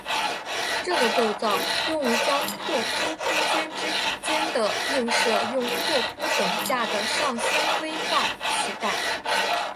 这个构造用于将拓扑空间之间的映射用拓扑等价的上纤维化取代。